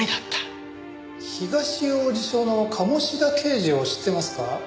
東王子署の鴨志田刑事を知ってますか？